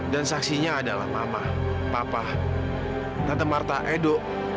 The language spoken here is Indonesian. dan saksinya adalah mama papa tante marta edo